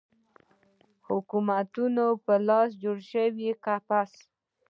حکومتونو په لاس جوړ شوی قفس